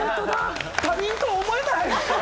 他人とは思えない！